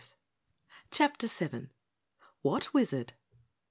CHAPTER 7 What Wizard?